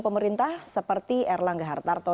pemerintah seperti erlangga hartarto